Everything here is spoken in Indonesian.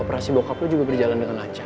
operasi bokap lo juga berjalan dengan lancar